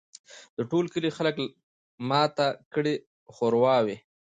د ټول کلي خلک ماته کړي ښراوي